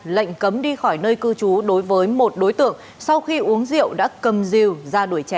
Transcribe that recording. lệnh cấm đi khỏi nơi cư trú đối với một đối tượng sau khi uống rượu đã cầm rìu ra đuổi trẻ